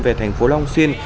về thành phố long xuyên